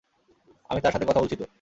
আমি তার সাথে কথা বলছি তো।